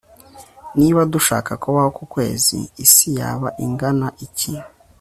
niba dushaka kubaho ku kwezi, isi yaba ingana iki